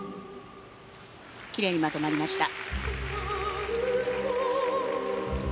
奇麗にまとまりました。